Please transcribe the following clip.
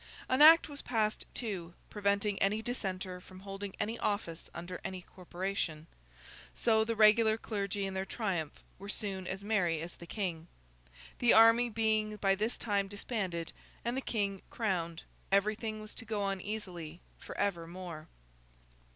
An Act was passed, too, preventing any dissenter from holding any office under any corporation. So, the regular clergy in their triumph were soon as merry as the King. The army being by this time disbanded, and the King crowned, everything was to go on easily for evermore.